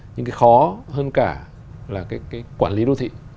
nhưng cái khó hơn cả là cái quản lý đô thị